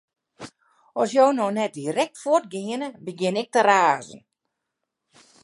At jo no net direkt fuort geane, begjin ik te razen.